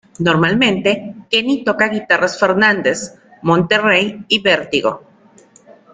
Normalmente, Kenny toca guitarras Fernandes, Monterey y Vertigo.